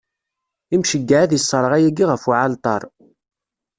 Imceyyeɛ ad isserɣ ayagi ɣef uɛalṭar.